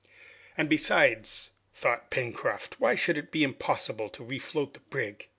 "And besides," thought Pencroft, "why should it be impossible to refloat the brig?